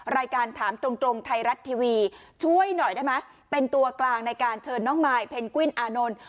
รายการถามตรงตรงไทยรัฐทีวีช่วยหน่อยได้ไหมเป็นตัวกลางในการเชิญน้องมายเพนกวินอานนท์